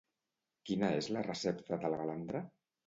Quina és la recepta de la balandra?